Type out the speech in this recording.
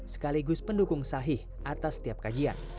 sekaligus pendukung sahih atas setiap kajian